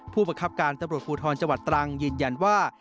ผู้ประคับการตำรวจภูทรจังหวัดตรังยืนยันว่า